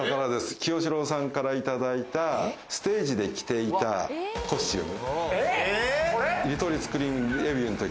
清志郎さんから、いただいたステージで着ていたコスチューム。